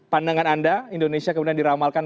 pandangan anda indonesia kemudian diramalkan